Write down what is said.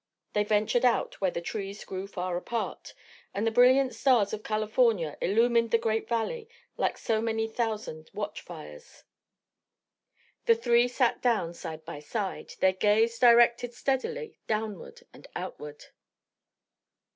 They ventured out where the trees grew far apart, and the brilliant stars of California illumined the great valley like so many thousand watch fires. The three sat down side by side, their gaze directed steadily downward and outward.